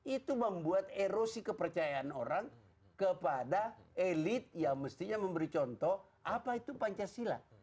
itu membuat erosi kepercayaan orang kepada elit yang mestinya memberi contoh apa itu pancasila